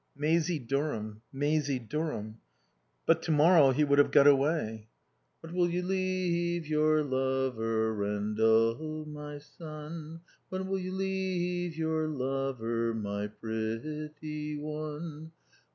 Maisie Durham. Maisie Durham. But to morrow he would have got away. "'What will you leave your lover, Rendal, my son? What will you leave your lover, my pretty one?